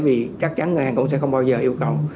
vì chắc chắn ngân hàng cũng sẽ không bao giờ yêu cầu